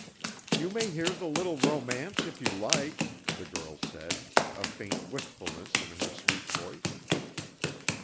"You may hear the little romance if you like," the girl said, a faint wistfulness in her sweet voice.